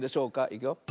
いくよ。